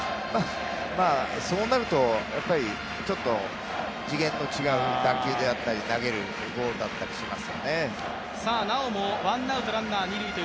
まあ、そうなるとやっぱりちょっと次元の違う打球であったり投げるボールだったりしますよね。